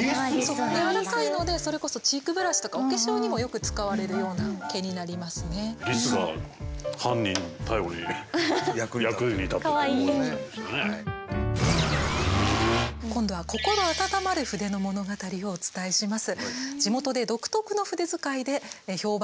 柔らかいのでそれこそ今度は心温まる筆の物語をお伝えします。